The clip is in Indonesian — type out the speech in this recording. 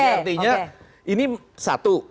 jadi artinya ini satu